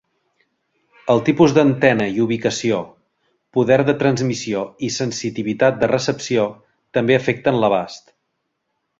El tipus d'antena i ubicació, poder de transmissió i sensitivitat de recepció també afecten l'abast.